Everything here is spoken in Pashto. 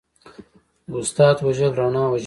د استاد وژل رڼا وژل دي.